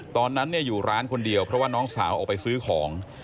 ตอนนั้นอยู่ร้านคนเดียวเพราะว่าน้องสาวออกไปซื้อของ